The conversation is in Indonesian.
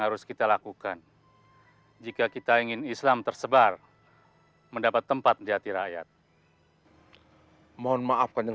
harus kita lakukan jika kita ingin islam tersebar mendapat tempat jati rakyat mohon maafkan yang